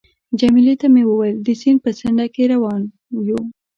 جميله ته مې وویل: د سیند په څنډه کې روان یو.